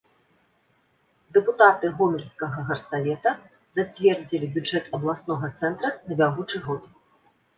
Дэпутаты гомельскага гарсавета зацвердзілі бюджэт абласнога цэнтра на бягучы год.